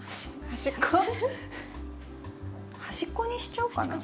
端っこにしちゃおうかな。